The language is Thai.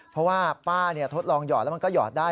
เพราะว่าป้าทดลองหยอดแล้วมันก็หอดได้